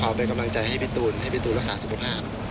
ขอเป็นกำลังใจให้พี่ตูนรักษาสุขภาพ